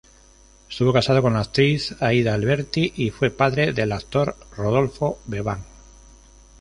Estuvo casado con la actriz Aída Alberti y fue padre del actor Rodolfo Bebán.